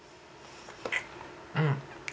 うん。